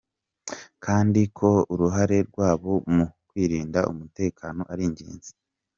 Kandi ko uruhare rwabo mu kwirindira umutekano ari ingenzi.